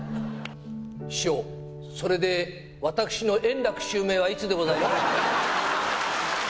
師匠、それで私の円楽襲名はいつでございましょう？